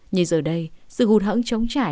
như giờ đây sự hụt hẵng chống trải